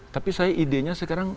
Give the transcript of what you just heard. tapi saya idenya sekarang